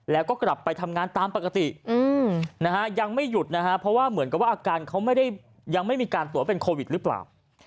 แล้วก็กลับไปทำงานตามปกตินะฮะยังไม่หยุดนะฮะเพราะว่าเหมือนกับว่าอาการเขาไม่ได้ยังไม่มีการตรวจเป็นโควิดหรือเปล่า